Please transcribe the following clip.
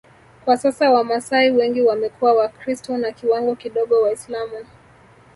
Kwa sasa Wamasai wengi wamekuwa wakristu na kiwango kidogo Waislamu